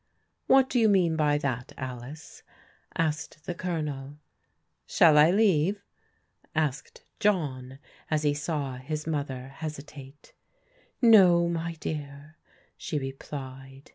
"What do you mean by that, Alice? asked the Colonel. " Shall I leave you ?" asked Jdhn as he saw his mother hesitate. " No, my dear," she replied.